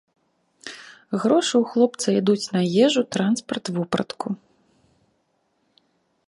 Грошы ў хлопца ідуць на ежу, транспарт, вопратку.